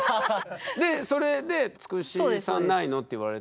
でそれで「つくしさんないの？」って言われて？